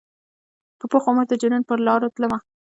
په پوخ عمر د جنون پرلاروتلمه